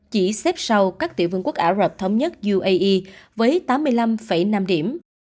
chỉ xếp sau các tiểu vương quốc ả rập thống nhất uae với tám mươi năm năm điểm